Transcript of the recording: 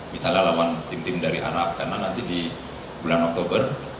misalnya lawan tim tim dari arab karena nanti di bulan oktober